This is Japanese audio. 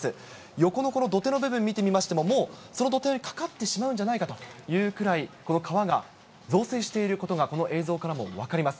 横のこの土手の部分、見てみましても、もうその土手にかかってしまうんじゃないかというぐらい、この川が増水していることが、この映像からも分かります。